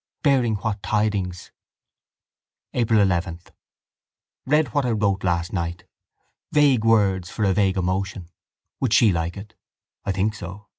—bearing what tidings? April 11. Read what I wrote last night. Vague words for a vague emotion. Would she like it? I think so.